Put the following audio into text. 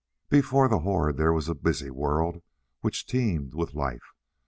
Before the horde there was a busy world which teemed with life.